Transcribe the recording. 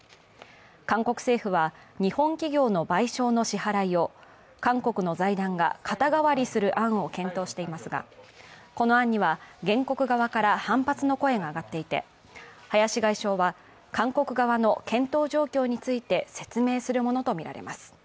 韓国政府は日本企業の賠償の支払いを韓国の財団が肩代わりする案を検討していますが、この案には原告側から反発の声が上がっていてパク外相は韓国側の検討状況について説明するものとみられます。